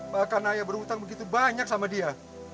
bahkan ayah berhutang begitu banyak sama dia